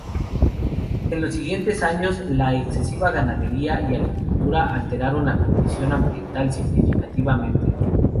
En los siguientes años, la excesiva ganadería y agricultura alteraron la condición ambiental significativamente.